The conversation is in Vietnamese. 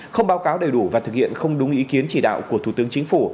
không báo cáo đầy đủ và thực hiện không đúng ý kiến chỉ đạo của thủ tướng chính phủ